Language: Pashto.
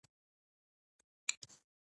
چوپتیا، د پوه سړي زینت دی.